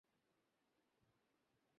সে কি আমাদের কথা শুনবে?